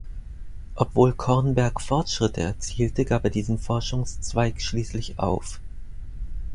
Obwohl Kornberg Fortschritte erzielte, gab er diesen Forschungszweig schließlich auf.